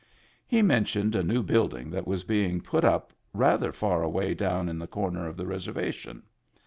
He men tioned a new building that was being put up rather far away down in the comer of the reser vation.